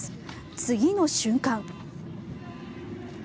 次の瞬間。